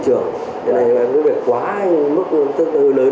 cái này có việc quá mức tương tư hơi lớn